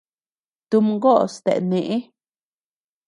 Tumgoʼos dae neʼe.